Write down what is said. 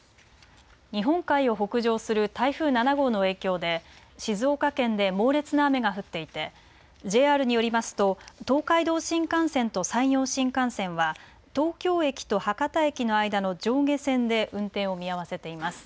日本海を北上する台風７号の影響で静岡県で猛烈な雨が降っていてＪＲによりますと東海道新幹線と山陽新幹線は東京駅と博多駅の間の上下線で運転を見合わせています。